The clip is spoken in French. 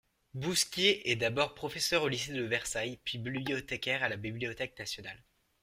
Bousquié est d’abord professeur au lycée de Versailles puis bibliothécaire à la Bibliothèque nationale.